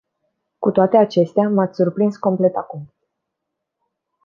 Cu toate acestea, m-ați surprins complet acum.